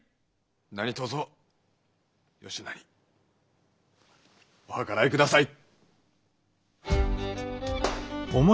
何とぞよしなにお計らいください。